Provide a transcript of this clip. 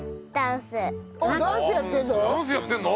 ダンスやってるの？